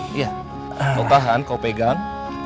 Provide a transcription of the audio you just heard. kau tahan kau pegang